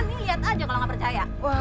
nih liat aja kalo gak percaya